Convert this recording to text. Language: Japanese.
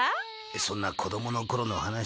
そんな子どもの頃の話。